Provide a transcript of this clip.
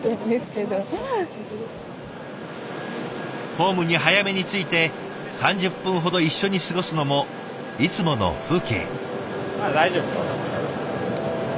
ホームに早めに着いて３０分ほど一緒に過ごすのもいつもの風景。